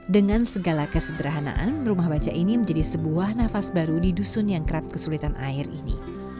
dengan segala kesederhanaan rumah baca ini menjadi sebuah nafas baru di dusun yang kerap kesulitan air ini